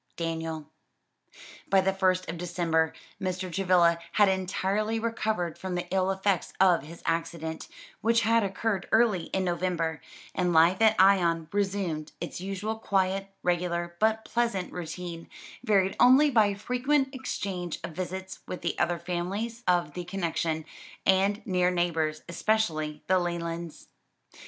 DANIEL. By the first of December Mr. Travilla had entirely recovered from the ill effects of his accident which had occurred early in November and life at Ion resumed its usual quiet, regular, but pleasant routine, varied only by frequent exchange of visits with the other families of the connection, and near neighbors, especially the Lelands.